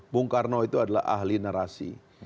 bung karno itu adalah ahli narasi